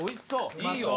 いいよ！